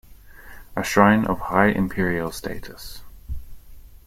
A shrine of high Imperial status.